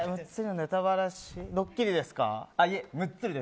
ドッキリですか？